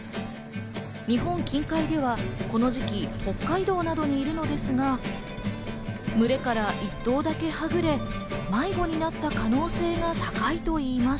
日本近海ではこの時期、北海道などにいるのですが、群れから１頭だけはぐれ、迷子になった可能性が高いといいます。